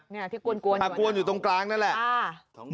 นี่คือที่กวนอยู่หรือเปล่าอ่ะอยู่ตรงกลางนั่นแหละอ่า